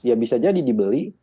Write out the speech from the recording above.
ya bisa jadi dibeli